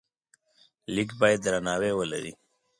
لیک باید درناوی ولري.